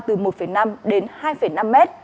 từ một năm đến hai năm mét